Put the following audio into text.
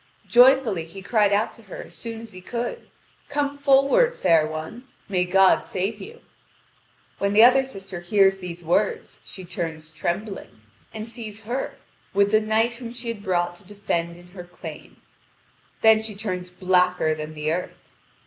Joyfully he cried out to her as soon as he could: "Come forward, fair one: may God save you!" When the other sister hears these words, she turns trembling, and sees her with the knight whom she had brought to defend in her claim: then she turned blacker than the earth.